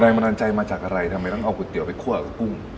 นายมานานใจมาจากอะไรทำไมต้องเอาก๋วยเตี๋ยวไปคั่วกับกุ้ง